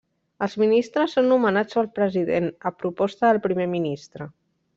Els ministres són nomenats pel President a proposta del Primer ministre.